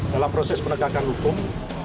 dalam proses penegakan hukum